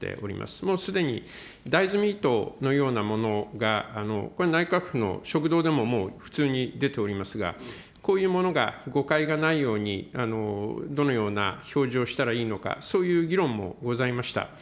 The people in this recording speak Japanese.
もうすでに大豆ミートのようなものが、これ、内閣府の食堂でももう普通に出ておりますが、こういうものが誤解がないようにどのような表示をしたらいいのか、そういう議論もございました。